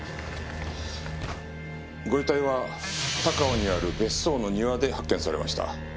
ご遺体は高尾にある別荘の庭で発見されました。